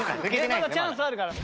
まだチャンスあるから。